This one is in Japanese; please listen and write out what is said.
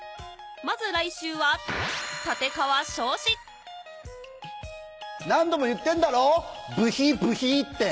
まず来週は何度も言ってんだろブヒブヒって。